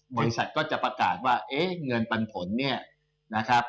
บริษัทก็จะประกาศว่าเอ๊ะเงินปันผลเนี่ยนะครับ